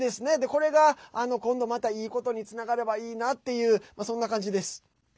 これが、今度またいいことにつながればいいなってそんなかんじです。